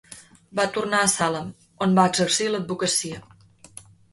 Va tornar a Salem, on va exercir l'advocacia.